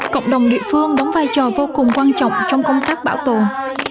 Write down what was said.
cộng đồng địa phương đóng vai trò vô cùng quan trọng trong công tác bảo tồn